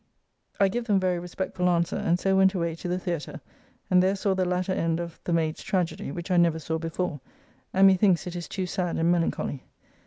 I give them very respectful answer and so went away to the Theatre, and there saw the latter end of "The Mayd's Tragedy," which I never saw before, and methinks it is too sad and melancholy.